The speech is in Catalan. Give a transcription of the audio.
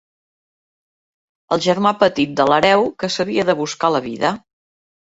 El germà petit de l'hereu, que s'havia de buscar la vida.